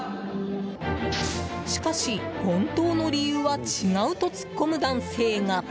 しかし、本当の理由は違う！と突っ込む男性が。